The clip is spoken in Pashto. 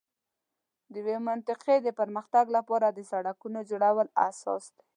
د یوې منطقې د پر مختګ لپاره د سړکونو جوړول اساس دی.